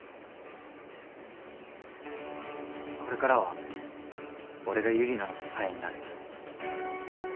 これからは俺がユリナの支えになる。